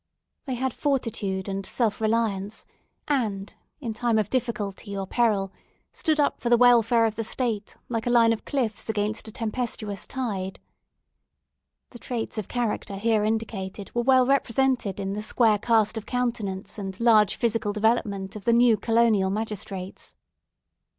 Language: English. They had fortitude and self reliance, and in time of difficulty or peril stood up for the welfare of the state like a line of cliffs against a tempestuous tide. The traits of character here indicated were well represented in the square cast of countenance and large physical development of the new colonial magistrates.